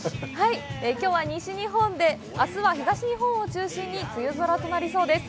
きょうは西日本で、あすは東日本を中心に梅雨空となりそうです。